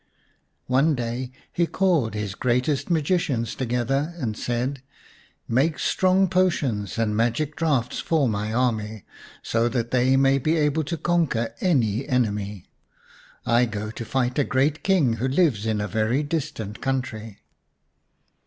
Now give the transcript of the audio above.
One day he called his greatest magicians together and said, " Make strong potions and magic draughts for my army, so that they may be able to conquer any enemy. I go to fight a great King who lives in a very distant country."